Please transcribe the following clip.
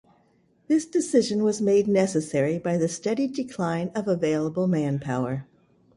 This decision was made necessary by the steady decline of available manpower.